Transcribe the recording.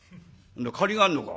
「借りがあるのか？